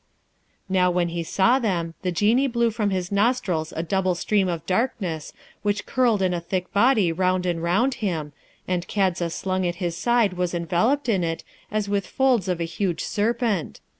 Now, when he saw them the Genie blew from his nostrils a double stream of darkness which curled in a thick body round and round him, and Kadza slung at his side was enveloped in it, as with folds of a huge serpent.